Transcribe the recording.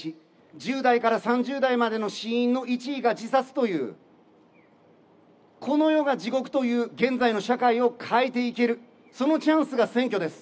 １０代から３０代までの死因の１位が自殺という、この世が地獄という現在の社会を変えていける、そのチャンスが選挙です。